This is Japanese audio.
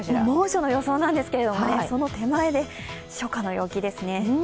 猛暑の予想なんですけれども、その手前で初夏の陽気ですね。